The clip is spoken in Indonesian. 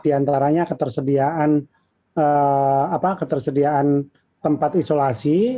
di antaranya ketersediaan tempat isolasi